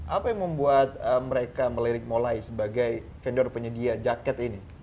apa yang membuat mereka melirik mulai sebagai vendor penyedia jaket ini